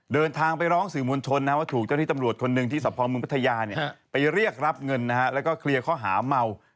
เดินทางไปร้องสื่อมวลชนว่าถูกเจ้าธิตำรวจคนหนึ่งที่สตพพัทยาไปเรียกรับเงินและเคลียร์เข้าหามัว